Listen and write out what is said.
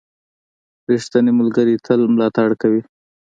• ریښتینی ملګری تل ملاتړ کوي.